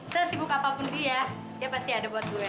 sesibuk apapun dia dia pasti ada buat gue